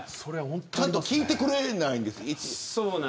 ちゃんと聞いてくれないんです。